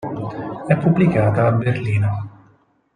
È pubblicata a Berlino.